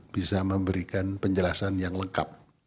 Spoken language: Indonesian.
bisa memberikan penjelasan yang lengkap